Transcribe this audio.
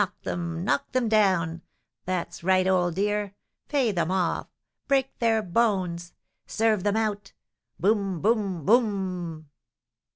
Knock them knock them down! That's right, old dear! Pay them off! Break their bones! Serve them out! Boum, boum, boum!"